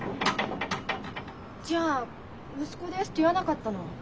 じゃあ「息子です」って言わなかったの？